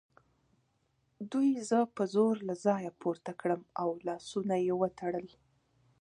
دوی زه په زور له ځایه پورته کړم او لاسونه یې وتړل